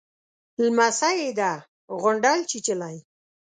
_لمسۍ يې ده، غونډل چيچلې.